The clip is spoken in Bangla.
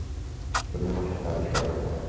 তো বিয়ের মৌসুমে কাজ বেশি পাবো, ভালো কামাই হবে।